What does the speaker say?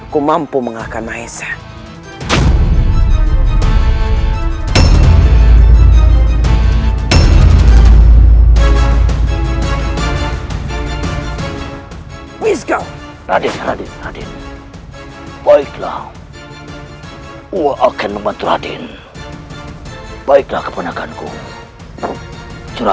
ku mampu mengalahkan mahesa